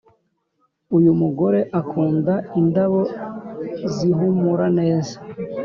Uyumugore akunda indabo zihumura neza